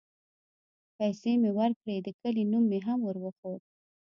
پيسې مې وركړې د كلي نوم مې هم وروښود.